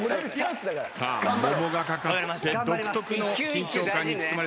さあ桃が懸かって独特の緊張感に包まれていますが。